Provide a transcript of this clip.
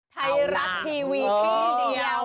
ไทยรัฐทีวีที่เดียว